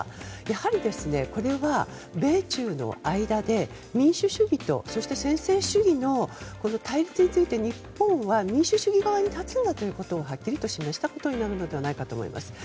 やはり、これは米中の間で民主主義と専制主義の対立について日本は、民主主義側に立つんだということをはっきりと示したことになるのではないかと思います。